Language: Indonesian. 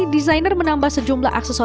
desainer menambah sejumlah aksesori